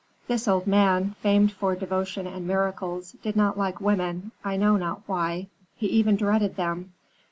"This old man, famed for devotion and miracles, did not like women, I know not why; he even dreaded them.